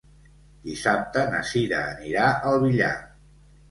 Dissabte na Cira anirà al Villar.